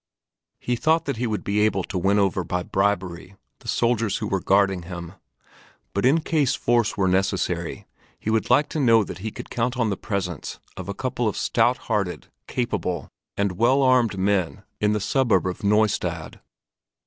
He thought that he would be able to win over by bribery the soldiers who were guarding him, but in case force were necessary he would like to know that he could count on the presence of a couple of stout hearted, capable, and well armed men in the suburb of Neustadt.